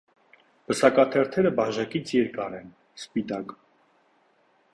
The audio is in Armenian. Պսակաթերթերը բաժակից երկար են, սպիտակ։